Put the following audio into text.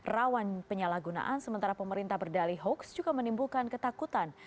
rawan penyalahgunaan sementara pemerintah berdali hoax juga menimbulkan ketakutan